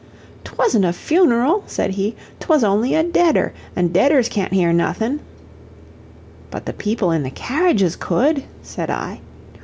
"'TWASN'T a funeral," said he. "'Twas only a deader, an' deaders can't hear nothin'." "But the people in the carriages could," said I.